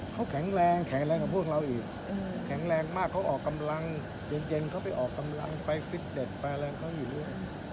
เขาแข็งแรงแข็งแรงกว่าพวกเราอีกแข็งแรงมากเขาออกกำลังเย็นเขาไปออกกำลังไปฟิตเน็ตไปอะไรเขาอยู่เรื่อย